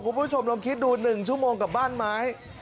คุณผู้ชมลองคิดดู๑ชั่วโมงกับบ้านไม้